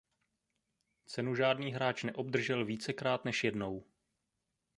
Cenu žádný hráč neobdržel vícekrát než jednou.